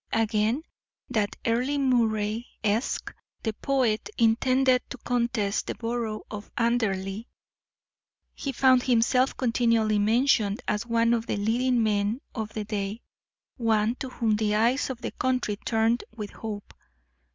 Again, that Earle Moray, Esq., the poet, intended to contest the borough of Anderley. He found himself continually mentioned as one of the leading men of the day, one to whom the eyes of the country turned with hope.